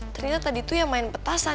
ternyata tadi tuh ya main petasan